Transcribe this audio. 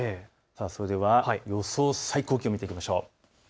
それでは予想最高気温見ていきましょう。